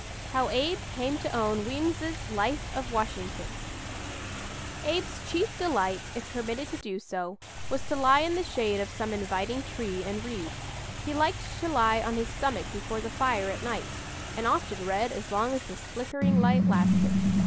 HOW ABE CAME TO OWN WEEMS'S "LIFE OF WASHINGTON" Abe's chief delight, if permitted to do so, was to lie in the shade of some inviting tree and read. He liked to lie on his stomach before the fire at night, and often read as long as this flickering light lasted.